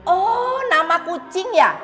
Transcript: oh nama kucing ya